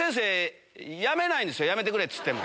やめてくれ！って言っても。